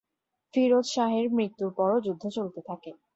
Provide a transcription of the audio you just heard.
ফিরোজ শাহের মৃত্যুর পরও যুদ্ধ চলতে থাকে।